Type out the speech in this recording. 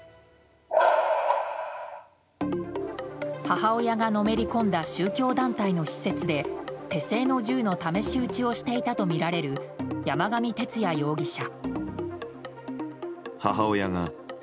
母親がのめり込んだ宗教団体の施設で手製の銃の試し撃ちをしていたとみられる山上徹也容疑者。